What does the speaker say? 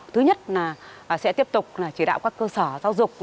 thứ nhất là sẽ tiếp tục chỉ đạo các cơ sở giáo dục